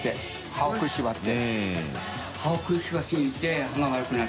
歯を食いしばって。